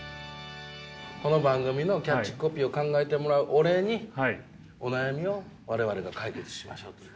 この番組のキャッチコピーを考えてもらうお礼にお悩みを我々が解決しましょうという。